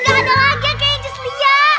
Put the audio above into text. gak ada lagi okei cus lia